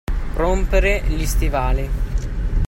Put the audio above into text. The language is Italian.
Rompere gli stivali.